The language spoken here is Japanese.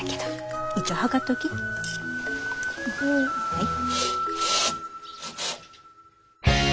はい。